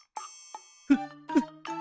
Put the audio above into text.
・フッフッフ。